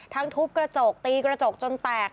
ทุบกระจกตีกระจกจนแตก